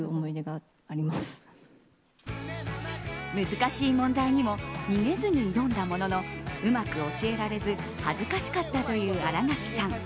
難しい問題にも逃げずに挑んだもののうまく教えられず恥ずかしかったという新垣さん。